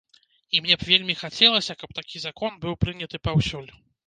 І мне б вельмі хацелася, каб такі закон быў прыняты паўсюль.